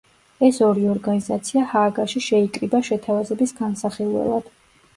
ეს ორი ორგანიზაცია ჰააგაში შეიკრიბა შეთავაზების განსახილველად.